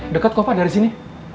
dekat kok pak dari sini